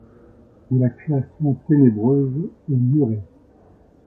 De la création ténébreuse et murée